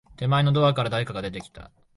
手前のドアから、誰かが出てきた。